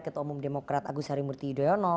ketua umum demokrat agus harimurti yudhoyono